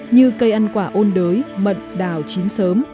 như cây ăn quả ôn đới mận đào chín sớm